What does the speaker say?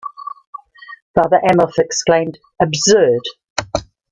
Father Amorth exclaimed, Absurd!